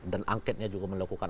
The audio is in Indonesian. dan angketnya juga melakukan